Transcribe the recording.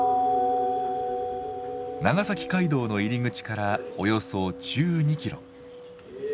長崎街道の入り口からおよそ１２キロ。